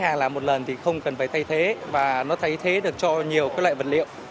hàng làm một lần thì không cần phải thay thế và nó thay thế được cho nhiều loại vật liệu